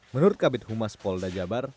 menurut kabit humas polda jabar